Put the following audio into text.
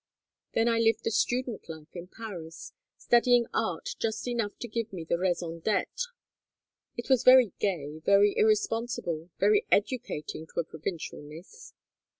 "Then I lived the student life in Paris, studying art just enough to give me the raison d'être. It was very gay, very irresponsible, very educating to a provincial miss.